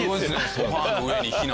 ソファの上に避難。